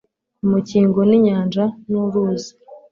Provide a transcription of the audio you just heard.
Ku Mukingo ni inyanja n,uruzi